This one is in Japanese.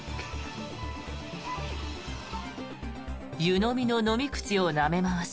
湯飲みの飲み口をなめ回し